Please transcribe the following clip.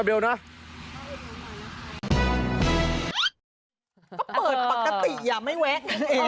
ก็เปิดปกติอย่าไม่แวะกันเอง